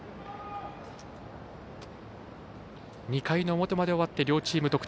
２回の表まで終わって両チーム、